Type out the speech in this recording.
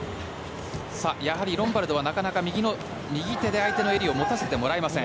やはりロンバルドはなかなか右手で相手の襟を持たせてもらえません。